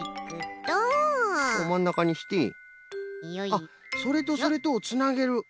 あっそれとそれとをつなげる！